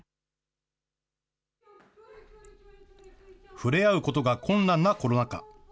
触れ合うことが困難なコロナ禍。